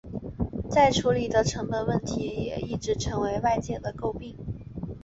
再处理的成本问题也一直为外界诟病。